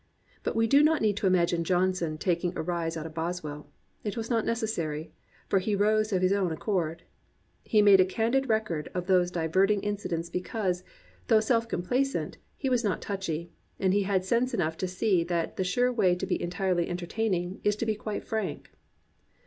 But we do not need to imagine Johnson taking a rise out of Bos well; it was not necessary; he rose of his own ac cord. He made a candid record of these diverting incidents because, though self complacent, he was not touchy, and he had sense enough to see that the sure way to be entirely entertaining is to be quite frank.